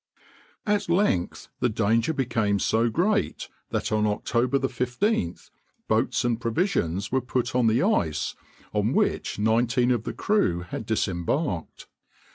At length the danger became so great that on October 15th boats and provisions were put on the ice, on which nineteen of the crew had disembarked.